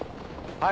はい。